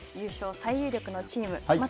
最有力のチーム。